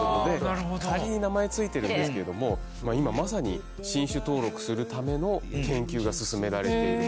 仮に名前付いてるんですけども今まさに新種登録するための研究が進められている。